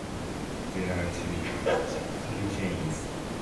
There are two Hurricanes.